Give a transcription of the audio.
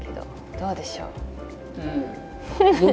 どうでしょう？